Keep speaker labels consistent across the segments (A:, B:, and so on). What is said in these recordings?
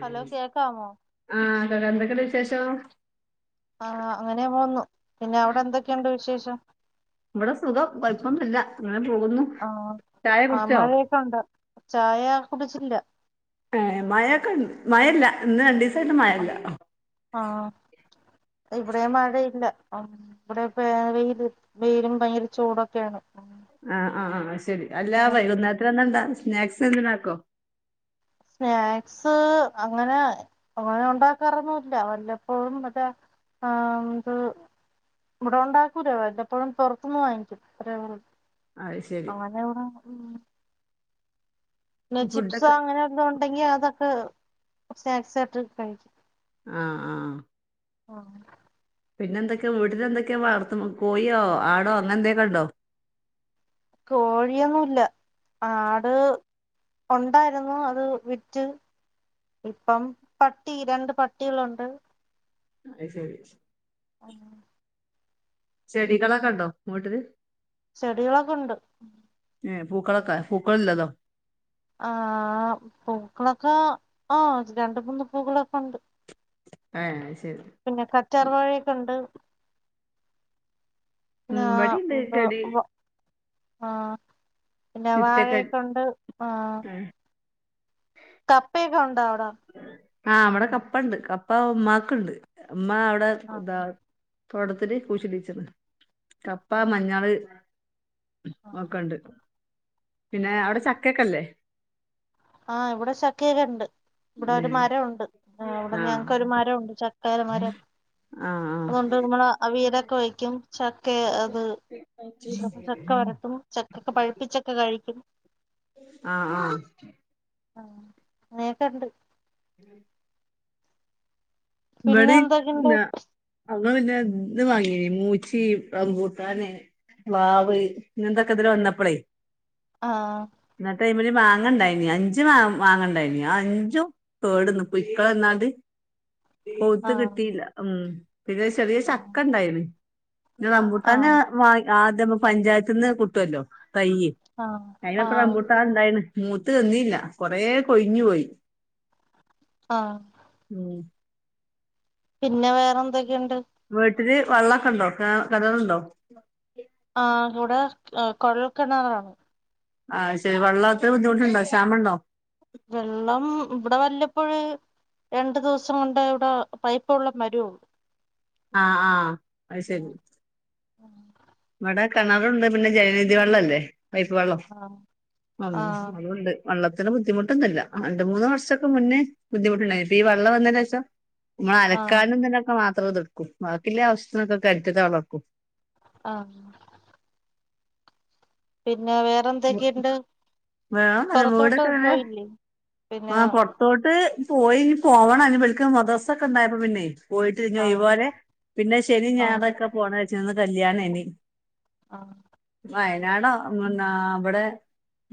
A: Hello കേക്കാമോ?
B: വേറെന്തൊക്കെണ്ട് വിശേഷം
A: ആഹ് അങ്ങനെ പോവുന്നു. പിന്നെ അവിടെ എന്തൊക്കെണ്ട് വിശേഷം?
B: ഇവിടെ സുഖം കൊഴപ്പൊന്നുല്ല അങ്ങനെ പോകുന്നു.
A: ആ
B: ചായ
A: ആ
B: കുടിച്ചോ?
A: മഴയൊക്കെണ്ട്. ചായ കുടിച്ചില്ല.
B: ഏഹ് മയക്കെൺ, മഴല്ല ഇന്ന് രണ്ടീസ്
A: ആഹ് ഇവിടേം മഴയില്ല അഹ് ഇവടെപ്പ വെയ്ൽ വെയിലും ഭയങ്കര ചൂടൊക്കേണ്
B: ആ ആ ആ ശ് ശരി അല്ലാ വൈകുന്നേരത്തിനെന്താണ്ടാക് സ്നാക്സ് എന്തേലാക്കോ?
A: സ്നാക്സ്, അങ്ങനെ അങ്ങനെ ഉണ്ടാക്കാറൊന്നുല്ല. വല്ലപ്പോഴും മറ്റേ ആ ത് ഇവടെ ഉണ്ടാക്കൂല. വല്ലപ്പോഴും പൊറത്ത്ന്ന് വാങ്ങിക്കും അത്രേള്ളു
B: അത് ശരി.
A: അങ്ങനെ ആണോ. ഉം പിന്നെ ചിപ്സോ
B: ഫുഡൊക്കെ
A: അങ്ങനെ എന്തോ ഉണ്ടെങ്കി അതൊക്കെ സ്‌നാക്സ്സായിട്ട് കഴിക്കും
B: ആഹ് ആ
A: ആ
B: പിന്നെ എന്തൊക്കെ വീട്ടിലെന്തൊക്കെ വളർത്ത്ന്ന്? കോയ്യോ ആടോ അങ്ങനെ എന്തൊക്കെ ണ്ടോ?
A: കോഴിയൊന്നുല്ല. ആട് ഉണ്ടായിരുന്നു, അത് വിറ്റ്. ഇപ്പം പട്ടി. രണ്ട് പട്ടികളുണ്ട്.
B: അയ്ശെരി
A: അങ്ങനെ
B: ചെടികളൊക്കെ ഉണ്ടോ വീട്ട്ല്?
A: ചെടികളൊക്കെ ഇണ്ട്
B: ഏ പൂക്കളൊക്കെ പൂക്കള് ഇള്ളതോ?
A: ആ പൂക്കളൊക്കെ ആ രണ്ട്, മൂന്ന് പൂക്കളൊക്കെ ഉണ്ട്
B: ഏഹ് അയ്
A: പിന്നെ കറ്റാർവാഴെക്കെണ്ട്.
B: മ് ഇവടീണ്ട് ചെടി
A: ആഹ് പിന്നെ
B: മുറ്റൊക്കെ
A: വാഴയെക്കൊണ്ട് ആഹ്
B: ഏഹ്
A: കപ്പേക്കുണ്ടോ? ണ്ടൊ
B: ആഹ് ഇവടെ കപ്പ ണ്ട്. കപ്പ ഇമ്മാക്ക്ണ്ട്. ഇമ്മ അവിടെ
A: ആ
B: ഇതാ തോട്ടത്തില് കുഴിച്ചിടീച്ചത്.
A: ആ
B: കപ്പാ, മഞ്ഞള്
A: ആ
B: ക്കണ്ട്. പിന്നെ അവിടെ ചക്കക്കില്ലേ?
A: ആഹ് ഇവിടെ ചക്കയൊക്കെ ണ്ട്. ഇവിടെ ഒരു
B: ഉം
A: മരം ഉണ്ട്. ഇവിടെ
B: ആഹ്
A: ഞങ്ങക്ക് ഒരു മരം ഉണ്ട്. ച പേര മരം.
B: ആഹ് ആഹ്
A: അതുകൊണ്ട് നമ്മള് അവിയലൊക്കെ വെക്കും ചക്കെ അത് ചക്ക വരത്തും ചക്കൊക്കെ പഴുപ്പിച്ചൊക്കെ കഴിക്കും.
B: ആ ആ
A: ആഹ് അങ്ങനക്കെ ഇണ്ട്
B: ഉം
A: പിന്നെ
B: ഇബടെ
A: എന്തൊക്കെയുണ്ട്
B: [unintelligible] മൂച്ചി റമ്പൂട്ടാന് വാവ് ഇങ്ങനന്തൊക്കെ ഇതില വന്നപ്പളേ,
A: ആഹ്
B: ഒര് മാങ്ങാണ്ടായിനി അഞ്ചു മാ മാങ്ങണ്ടായിനി ആ അഞ്ചും കേടന്ന് പുഴുക്കൾ വന്നാണ്ട്, പൗത്തു
A: ആഹ്
B: കിട്ടിയില്ല ഉം പിന്നെ ചെറിയ ചക്ക ഇണ്ടായിന് [unintelligible] റംബുട്ടാന്
A: ആഹ്
B: വായ് ആദ്യം പഞ്ചായത്ത് ന്ന് കുട്ടുവല്ലോ തയ്യ്
A: ആഹ്
B: അയിനപ്പം
A: ആഹ്
B: റബുട്ടാൻ ഇണ്ടായ്ന്ന് മൂത്ത് തന്നീല്ല കൊറേ കൊഴിഞ്ഞു പോയി.
A: ആഹ്
B: ഉം
A: പിന്നെ വേറെ എന്തൊ ക്കെയ്ണ്ട്
B: ഒത്തിരി വെള്ളക്കെ ണ്ടോ കെ കേണറുണ്ടോ?
A: ആ ഇവിടെ കൊഴൽക്കിണാറാണ്
B: ആഹ് ശെരി വള്ളത്തിന് ബുദ്ധിമുട്ടുണ്ടോ ക്ഷാമ ണ്ടോ?
A: വെള്ളം ഇവിടെ വല്ലപ്പോഴ് രണ്ടു ദിവസം കൊണ്ട് ഇവിടെ പൈപ്പ്‌ വെളളം വരുളു
B: ആഹ് ആഹ് അയ് ശെരി ഇവടെ കെണറുണ്ട് പിന്നെ ജലനിധി വെള്ള ല്ലേ പൈപ്പ് വെള്ളം
A: ആഹ് ആഹ്
B: [unintelligible] അതൊണ്ട് വള്ള അത്ര ബുദ്ധിമൊട്ടൊന്നുല്ല രണ്ട് മൂന്ന് വർഷക്ക മുന്നേ ബുദ്ധിമുട്ടണ്ടായി ഇപ്പ ഈ വെള്ളം വന്നേനെഷം നമ്മള്
A: ആഹ്
B: അലക്കാനും ഇതിനൊക്കെ മാ ത്ര ഇത് ക്കും ബാക്കില ആവശ്യത്തിനൊക്കെ കെണറ്റിത്ത വെള്ളെക്കും
A: ആ പിന്നെ വേറെന്തൊക്കെണ്ട്
B: വേറൊന്നുല്ല
A: പൊറത്തോട്ട്
B: വീടൊക്കെ
A: പോയില്ലേ
B: ആ
A: പിന്നെ
B: പൊറത്തോ ട്ട് പോയി ഇനി പോവണം ഇനി വിളിക്ക മദ്രസക്കെ ഇണ്ടായപ്പോ പിന്നെ പോയിട്ടിഞ്ഞ
A: ആഹ്
B: [unintelligible] പിന്നെ ശനി
A: ആഹ്
B: ഞായറൊക്കെ പോണ ച്ന്ന് കല്യാണേനി
A: ആഹ്
B: വയനാടോ [unintelligible] വിടെ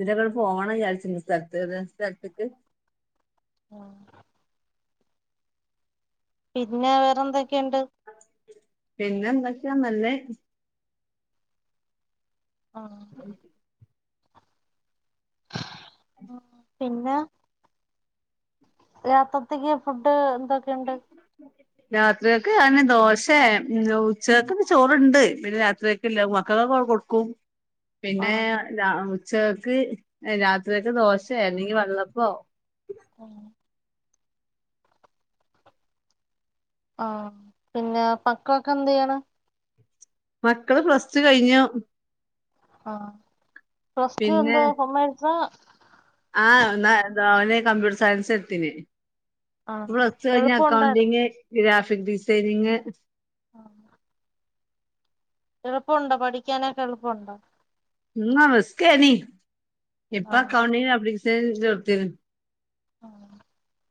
B: ഇതിനക്കെ ഫോണം വിചാരിച്ചിനി സ്ഥലത്ത്ന്ന് സ്ഥലത്ത്ക്ക്
A: ആഹ് പിന്നെ വേറെന്ത് ക്കെയുണ്ട്
B: പിന്നെന്തക്ക്യാ നല്ലേ
A: ആഹ് ആഹ് പിന്നെ രാത്രത്തക്ക് ഫുഡ് ന്ദോക്കെ ഉണ്ട്
B: രാത്രിയൊക് ഞാന് ദോശ്യേ ഉച്ചഗ്ക്ക്ന്ന് ചോറുണ്ട് പിന്നെ [unintelligible] കും പിന്നെ
A: ആഹ്
B: ഞാ ഉച്ചകക്ക് രാത്രിയൊക്കെ ദോശ്യേ അല്ലെങ്കി വെള്ളപ്പോ
A: ആഹ് ആഹ് പിന്നെ പക്കളൊക്കെ എന്തെയ്യണ്
B: മക്കള് പ്ലസ്ടു കഴിഞ്ഞു
A: ആഹ് പ്ലസ്ടു എന്തുവാ കോമേഴ്‌സോ
B: ആഹ് ഇന്ന എന്താ ഒന് കമ്പ്യൂട്ടർ സയൻസ് എട്ത്തിനി
A: ആഹ്
B: പ്ലസ് ടു കഴിഞ്ഞ്
A: എളുപ്പം ഉണ്ടായിരുന്നു
B: അക്കൗണ്ടിങ് ഗ്രാഫ് ഫിക് ഡിസൈനിങ്
A: ആഹ് എളുപ്പം ഒണ്ടോ പഠിക്കാനൊക്കെ എളുപ്പം ഒണ്ടോ
B: നമസ്ക്കേ നീ എപ്പാ
A: ആഹ്
B: കവണീ അ ശ [inaudible] ടുത്തി
A: [inaudible]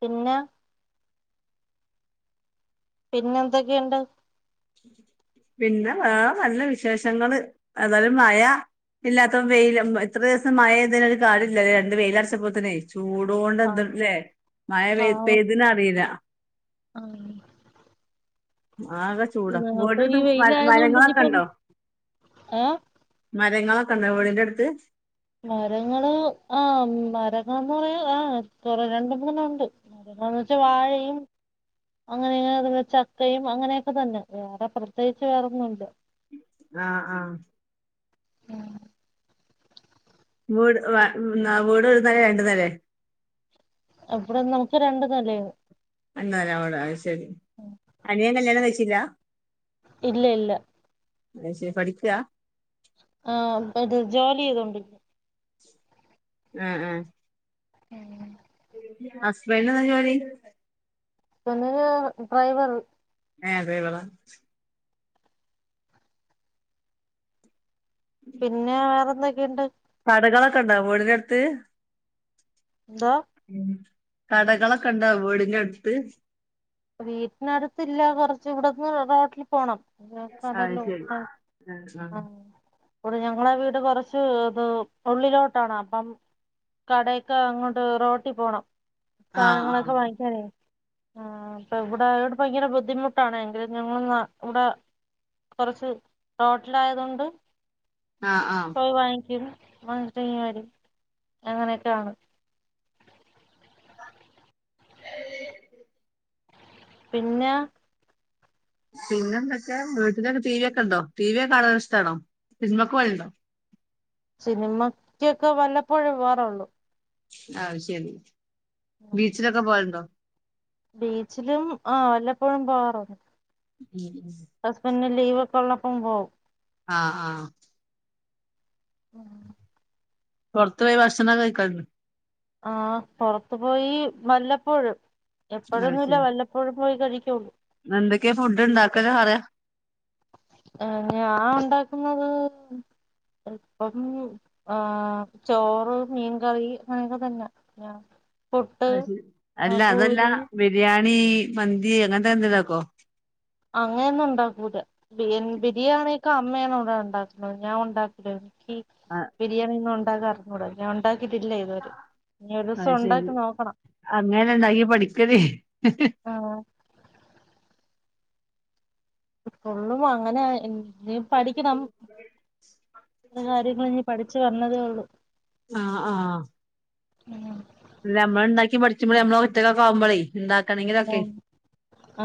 A: പിന്നെ പിന്നെ എന്തൊക്കെയുണ്ട്
B: പിന്നെ വേറെ നല്ല വിശേഷങ്ങള് എതായാലും മഴ ഇല്ലാത്ത വെയിൽ ഇത്ര ദിവസം മഴ പെയ്തപ്പോ ഒരു കാര്യല്ല രണ്ട് വെയിലാടച്ച പോല തന്നെ അയിച്ചു ചൂടൊണ്ട്
A: ആഹ്
B: എന്തല്ലേ മഴ പെയ പെയ്തി അറിയില്ല
A: ആഹ
B: ആകെ ചൂട വോടടുത്ത്
A: വെയിലായതുകൊണ്ട്
B: മരങ്ങളൊക്കെ
A: ഇനിയിപ്പം
B: ഉണ്ടോ
A: ഏഹ്
B: കാര്ങ്ങളൊക്കെ ഉണ്ടോ വീടിന്റെ അടുത്ത്
A: മരങ്ങള് ആ മരങ്ങന്ന് പറയാ ആ് കുറ രണ്ട മൂന്ന ഉണ്ട് മരങ്ങന്ന് വെച്ചാ വാഴയും അങ്ങനെങ്ങനെ ചക്കയും അങ്ങനെയൊക്കെ തന്നെ വേറെ പ്രത്യേകിച്ച് വേറൊന്നുണ്ട്
B: ആഹ് ആഹ വീട് വീട് ഒരു നിലെ രണ്ട് നിലെ
A: അപ്പട നമുക്ക് രണ്ടു നിലയാണ്
B: എന്നാൽ ആ ശരി അനിയൻ കല്യാണം കച്ചില്ല
A: ഇല്ല ഇല്ല
B: ശ പഠിക്കാ
A: ആഹ ഇത് ജോലി ചെയ്തോണ്ടി
B: ഉം ഉ
A: ഉം
B: ഹസ്ബൻഡിന് എന്താ ജോലി
A: പിന്ന ഡ്രൈവർ
B: ഏ ചെയവല
A: പിന്നെ വേറെന്തൊക്കെയുണ്ട്?
B: കടകളൊക്കെ ഇണ്ടാവ വീടിനടുത്ത്
A: ന്താ
B: ഉ കടകളൊക്കെ ഉണ്ടാ വീടിന്റെ എടുത്ത്?
A: വീട്ടിനടുത്ത്ല്ല കൊറച്ച് ഇവിടന്ന് റോട്ടിൽ പോണം
B: അഹ
A: കടലോ
B: ശരി ആഹ ആഹ
A: അടെ ഞങ്ങളെ വീട് കൊറച്ച് ഇത് ഉള്ളിലോട്ടാണ് അപ്പം കടയൊക്കെ അങ്ങോട്ട് റോട്ടി പോണം.
B: ആഹ്
A: സാധനങ്ങളൊക്കെ
B: ആഹ്
A: വാങ്ങിക്കാനേ ആഹ അപ്പ ഇവിടെ ഇവിടെ ഭയങ്കര ബുദ്ധിമുട്ടാണ് എങ്കിലും ഞങ്ങൾ ഇവിടെ കുറച്ച് റോട്ടിലായതൊണ്ട്.
B: ആഹ് ആഹ്
A: വാങ്ങിക്കും മട്ട വരി അങ്ങനെയൊക്കൊണ് പിന്നെ
B: പിന്നെ എന്തൊക്കെ വീട്ടന്റെൊക്കെ ടീവി ഒക്കെ ഉണ്ടോ ടിവി ഒക്കെ കാണൻ ഇഷ്ട്ടം ആണോ സിന്മക്കെ വഴി ഉണ്ടോ
A: സിനിമക്കൊക്കെ വല്ലപ്പോഴേ പോാറുള്ളു
B: ആഹ ശരി ബീച്ചിലൊക്കെ പോയിരുന്നോ
A: ബീച്ചിലും ആ വല്ലപ്പോഴും പോവാറുണ്ട്.
B: [inaudible]
A: ലീവോക്കൊള്ളപ്പം പോവും.
B: ആഹ് ആഹ്
A: ഉം
B: പൊറത്തുപോയി ഭക്ഷണം കഴിക്കാ [unintelligible]
A: ആ പൊറത്തു പോയി വല്ലപ്പോഴും.
B: അത്
A: എപ്പോഴൊന്നുവില്ല
B: ശരി
A: വല്ലപ്പോഴും. പോയി കഴിക്കോള്ളു
B: എന്തൊക്കെയാ ഫുഡ്ണ്ടാക്കല് പറ
A: ഞാൻ ഒണ്ടാക്കുന്നത് ഇപ്പം ആ ചോറ് മീൻകറി അങ്ങനെക്കെ തന്നെ ഞാൻ.
B: ആ
A: പുട്ട്
B: ശരി
A: ആ
B: അല്ല അതല്ല
A: പൂരി
B: ബിരിയാ ണി മന്തി അങ്ങനത്തെ എന്തേലും ആക്കോ?
A: അങ്ങൻന്നും ഉണ്ടാക്കൂല ബി ബിരിയാണിക്കെ അമ്മയാണ് ഇവിടെ ഒണ്ടാക്കുന്നത് ഞാൻ ഒണ്ടാക്കൂല ഈ ബിരിയണീന്നാ അതറിഞ്ഞൂടാ ഞാണ്ടാ
B: അയ്ശരി
A: നോക്കണം
B: അങ്ങനണ്ടാക്കി പഠിക്കല്.
A: ആഹ് ഫുള്ളും അങ്ങനായി ഉം നീം പഠിക്കണം പല കാര്യങ്ങൾ ഇനി പഠിച്ചു വരണതെയൊ ള്ളൂ
B: ആഹ് ആഹ്
A: ഉം
B: ല്ല നമ്മളിണ്ടാക്കി പഠിച്ചുമ്പഴേ നമ്മള കുട്ടികളക്ക ആവുമ്പഴെ ഇണ്ടാക്കണെങ്കിലൊക്കെ
A: ആഹ്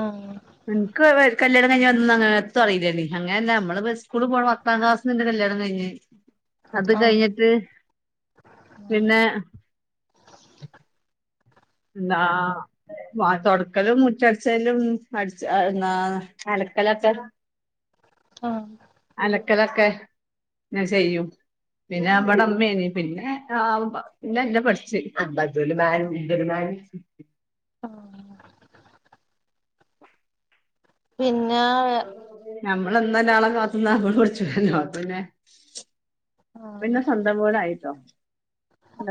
A: ആഹ്
B: എനക്ക് [unintelligible] കല്യാണം കഴിഞ്ഞ് വന്ന എങ്ങാത്തും അറിയില്ലാരുന്ന് അങ്ങനാന്ന മ്മള് ബസ് സ്കൂള് പോണം പത്താം ക്ലാസ്സിന്നെന്റെ കല്ല്യാണം കഴിഞ്ഞ് അത് കയിഞ്ഞിട്ട്
A: ആഹ്
B: പിന്നെ ന്നാ വ തൊടക്കലും മുറ്റടിച്ചാലും അടിച്ച എന്നാ അലക്കലൊക്കെ
A: ആഹ്
B: ക്കലൊക്കെ ന്നെ ചെയ്യും. പിന്നാ മ്മള് അമ്മയിനി പിന്നെ പിന്നെല്ലാം പഠിച്ച് [unintelligible] [unintelligible]
A: ആഹ് പിൻ ന്നാ [unintelligible]
B: നമ്മളെ എന്നല്ലാണ കാണാൻ കാത്തുനിന്നാ അപ്പം പുളിച്ചു [unintelligible] അപ്പ പിന്നെ പിന്നെ
A: ആഹ്
B: സ്വന്തം പോലായീട്ടോ.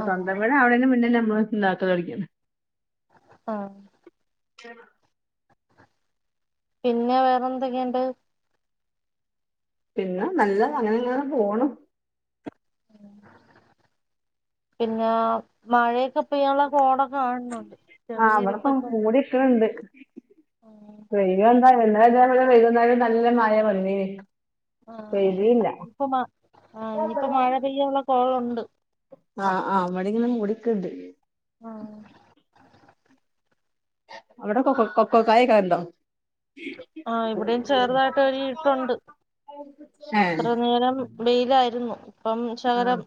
A: ആഹ്
B: സ്വന്തം വീടാവാണെന് മുന്നേല്ലാം, ബസിന്നാത് കേറീരിക്കും
A: ആ
B: [inaudible]
A: പിന്നെ വേറെ എന്തൊക്കെയണ്ട്
B: പിന്നെ നല്ല അങ്ങനെങ്ങെ പോണ്
A: പിന്നെ മഴയൊക്കെ ഇപ്പൊ പെയ്യനോക്കെയുള്ള കോടക്കെ കാണുന്നുണ്ട് ചെറിയ ഇരിട്ടൊക്കെണ്ട്
B: വെയിൽവന്നാൽ അ വൈകുന്നേരം നല്ല മഴ വന്നിനി
A: ആ ഇനിപ്പ ആ് ഇനിയിപ്പോ മഴ പെയ്യാനുള്ള കൊളുണ്ട് [unintelligible]
B: ആഹ് ആ് ഇവിടിങ്ങനെ മൂടിക്ക്ണ്ട്
A: ആഹ്
B: അവിടെ കൊ കൊക്കക്കായക്ക ണ്ടോ
A: ആഹ ഇവിടെയും ചെറുതായിട്ട് ഒരു ഇട്ടുണ്ട് എത്ര നേരം വെയിലായിരുന്നു ഇപ്പം
B: ആഹ
A: ശകലം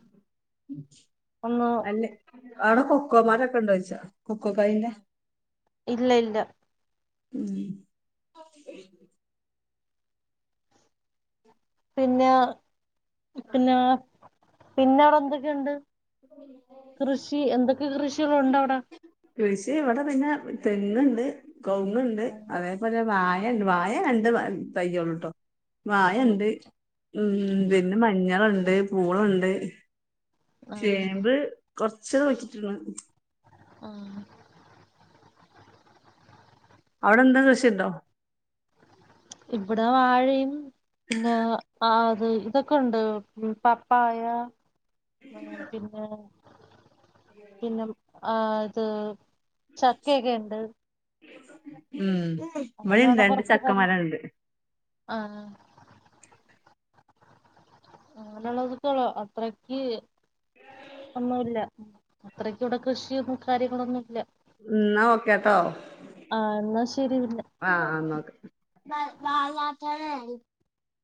A: ഒന്ന്
B: അല്ല അട കോ കുക്കോമാരൊക്കെ ഉണ്ടോ ചോയിച്ച കോക്കോകായന്റെ
A: ഇല്ല ഇല്ല
B: ഉം
A: പിന്നെ പിന്നേ പിന്നെ അവിടെ എന്തൊക്കെയുണ്ട് കൃഷി എന്തൊക്കെ കൃഷികൾണ്ട് അവിടെ
B: കൃഷി ഇവിടെ പിന്നെ തെങ്ണ്ട് കൗങ് ണ്ട്
A: ആഹ്
B: അതേപോലെ വായ വ വായ രണ്ട് തയ്യോള്ളൂട്ടോ വായ ഉണ്ട് ഉം പിന്നെ മഞ്ഞളുണ്ട് തേ പൂളണ്ട്
A: ആഹ്
B: ചേമ്പ് കൊറച്ച് കുയിച്ചിട്ടണ്
A: ആഹ
B: അവിടെ എന്താ കൃഷി ണ്ടോ
A: ഇവിടെ വാഴയും പിന്നെ അത് ഇതൊക്കെുണ്ട് പപ്പായ ആഹ പിന്നെ പിന്നെ ആഹ [unintelligible] ചക്കൊക്കെ ഇണ്ട്
B: ഉം ഇവിടെ ഇണ്ട് രണ്ട്
A: കുറച്ച്
B: ചക്ക
A: കാര്യ
B: മരണ്ട്
A: ആ അങ്ങനുള്ളതക്കളോ അത്രക്ക് ഒന്നുംല്ല അത്രക്ക് ഇവിടെ കൃഷിയൊന്നും കാര്യങ്ങളൊന്നുല്ല
B: ഉം ഓക്കേട്ടോ
A: ആ എന്നാ ശരി പിന്നെ
B: ആ ന്നാ ഒക്കെ [unintelligible]